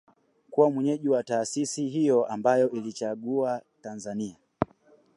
kuwa mwenyeji wa taasisi hiyo ambayo iliichagua Tanzania